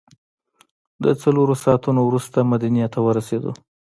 له څلورو ساعتو وروسته مدینې ته ورسېدو.